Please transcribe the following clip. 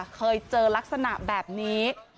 เคยเจอลักษณะแบบนี้